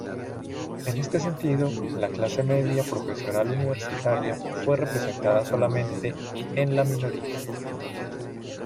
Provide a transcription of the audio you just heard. En este sentido, la clase media profesional universitaria fue representada solamente en la minoría.